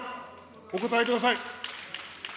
お応えください。